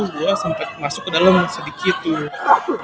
gua sempet masuk ke dalam sedikit tuh